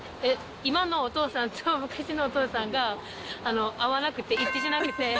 今のお父さんと昔のお父さんが合わなくて、一致しなくて。